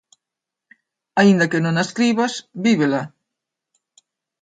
Aínda que non a escribas, vívela.